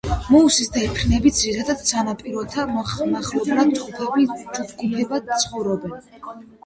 მაუის დელფინები ძირითადად სანაპიროთა მახლობლად ჯგუფებად ცხოვრობენ.